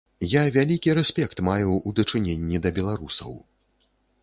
Я вялікі рэспект маю ў дачыненні да беларусаў.